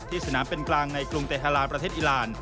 สนามเป็นกลางในกรุงเตฮาลานประเทศอีราน